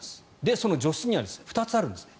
その除湿には２つあるんですね。